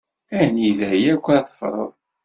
Anida akk-a teffreḍ?